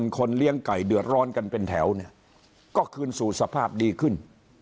คนเลี้ยงไก่เดือดร้อนกันเป็นแถวเนี่ยก็คืนสู่สภาพดีขึ้น